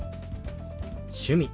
「趣味」。